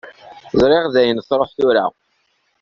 Ẓriɣ dayen truḥ tura.